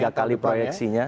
sampai tiga kali proyeksinya